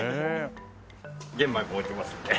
玄米も置いてますので。